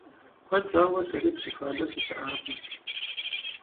Куэд щӀауэ сэри Псыхуабэ сыщыӀакъым.